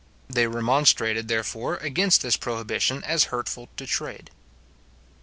They remonstrated, therefore, against this prohibition as hurtful to trade.